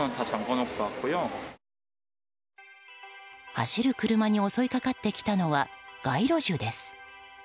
走る車に襲いかかってきたのは街路樹です。